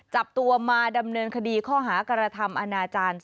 จับตัวมาดำเนินคดีข้อหากระทำอนาจารย์